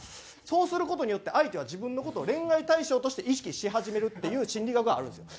そうする事によって相手は自分の事を恋愛対象として意識し始めるっていう心理学があるんですよ。